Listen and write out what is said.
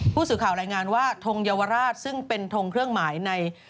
ผู้สื่อข่าวรายงานว่าทงเยาวราชซึ่งเป็นทงเครื่องหมายใน